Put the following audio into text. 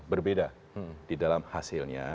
berbeda di dalam hasilnya